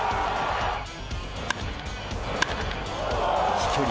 飛距離